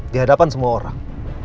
di hadapan semua orang